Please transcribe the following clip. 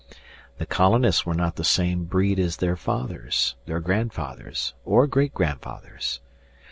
The colonists were not of the same breed as their fathers, their grandfathers, or great grandfathers.